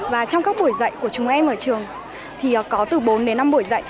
và trong các buổi dạy của chúng em ở trường thì có từ bốn đến năm buổi dạy